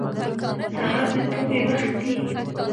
سهار د توبې وخت دی.